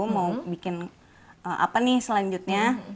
mau bikin apa nih selanjutnya